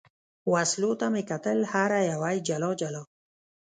وسلو ته مې کتل، هره یوه یې جلا جلا.